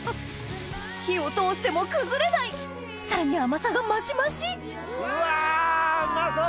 火を通しても崩れないさらに甘さが増し増しうわうまそう！